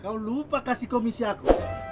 kau lupa kasih komisi aku